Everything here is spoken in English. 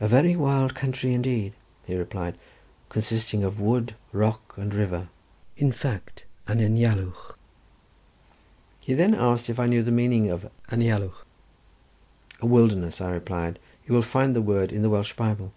"A very wild country, indeed," he replied, "consisting of wood, rock, and river; in fact, an anialwch." He then asked if I knew the meaning of anialwch. "A wilderness," I replied, "you will find the word in the Welsh Bible."